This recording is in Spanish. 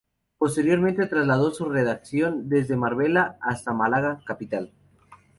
Posteriormente trasladó su redacción desde Marbella a Málaga capital.